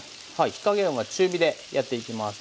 火加減は中火でやっていきます。